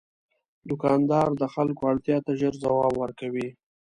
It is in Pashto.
دوکاندار د خلکو اړتیا ته ژر ځواب ورکوي.